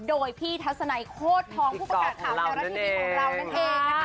โดยพี่ทัศนัยโคตรทองผู้ประกาศข่าวไทยรัฐทีวีของเรานั่นเองนะคะ